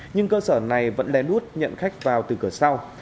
nhưng cơ sở này vẫn lẽ đút nhận khách vào từ cửa sau